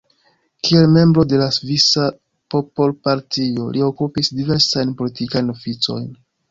Kiel membro de la Svisa Popolpartio li okupis diversajn politikajn oficojn.